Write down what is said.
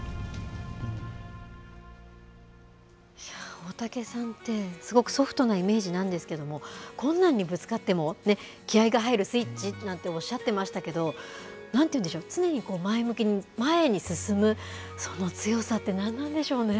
大竹さんって、すごくソフトなイメージなんですけれども、困難にぶつかっても、気合いが入るスイッチなんておっしゃってましたけど、なんていうんでしょう、常に前向きに、前に進む、その強さって何なんでしょ